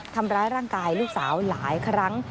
ทำร้ายร่างกายลูกสาวหลายครั้ง